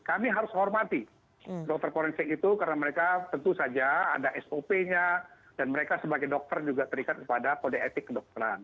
kami harus hormati dokter forensik itu karena mereka tentu saja ada sop nya dan mereka sebagai dokter juga terikat kepada kode etik kedokteran